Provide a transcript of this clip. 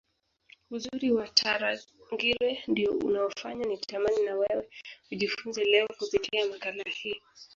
Uzuri wa Tarangire ndio unaofanya nitamani na wewe ujifunze leo kupitia makala hii